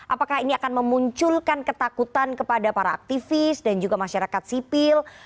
apakah ini akan memunculkan ketakutan kepada para aktivis dan juga masyarakat sipil